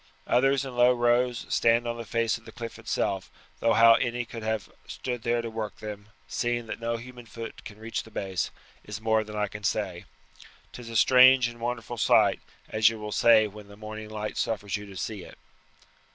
Others in low rows stand on the face of the cliff itself, though how any could have stood there to work them, seeing that no human foot can reach the base, is more than I can say. 'Tis a strange and wonderful sight, as you will say when the morning light suffers you to see it."